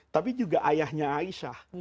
tapi juga ayahnya aisyah